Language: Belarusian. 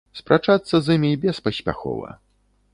Спрачацца з імі беспаспяхова.